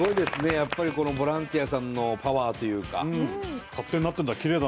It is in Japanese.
やっぱりこのボランティアさんのパワーというか。